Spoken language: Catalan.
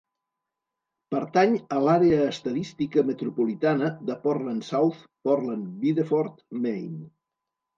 Pertany a l'àrea estadística metropolitana de Portland-South Portland-Biddeford, Maine.